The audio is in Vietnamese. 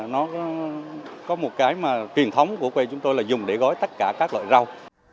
nó có một cái mà truyền thống của quê chúng tôi là dùng để gói tất cả các loại rau